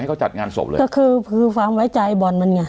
เขาจัดงานศพเลยก็คือคือความไว้ใจบ่อนมันไง